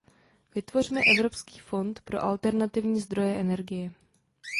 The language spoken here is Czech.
Vytvořme evropský fond pro alternativní zdroje energie.